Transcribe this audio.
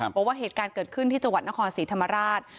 บอกว่าเหตุการณ์เกิดขึ้นที่จังหวัดนครศรีธรรมราช